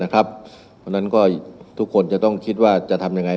เพราะฉะนั้นก็ทุกคนจะต้องคิดว่าจะทำยังไง